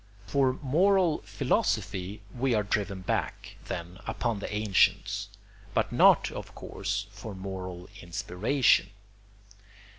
] For moral philosophy we are driven back, then, upon the ancients; but not, of course, for moral inspiration.